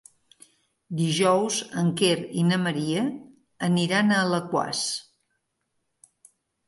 Dijous en Quer i na Maria aniran a Alaquàs.